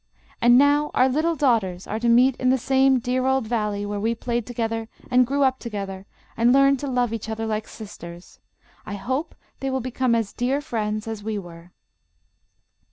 And now our little daughters are to meet in the same dear old valley where we played together and grew up together and learned to love each other like sisters. I hope they will become as dear friends as we were."